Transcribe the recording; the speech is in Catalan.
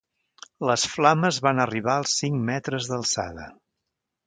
Les flames van arribar als cinc metres d'alçada.